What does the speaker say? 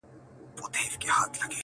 • چي ستنې سوي په سېلونو وي پردېسي مرغۍ -